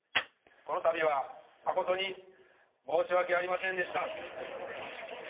この度はまことに申し訳ありませんでした。